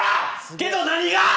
けど何が！？